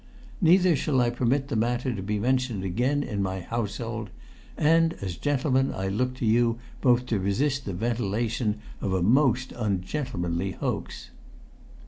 Neither shall I permit the matter to be mentioned again in my household. And as gentlemen I look to you both to resist the ventilation of a most ungentlemanly hoax."